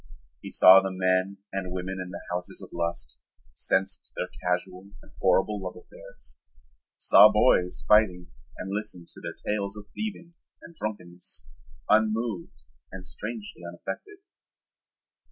He saw the men and women in the houses of lust, sensed their casual and horrible love affairs, saw boys fighting and listened to their tales of thieving and drunkenness, unmoved and strangely unaffected.